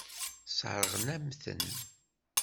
Sseṛɣen-am-ten.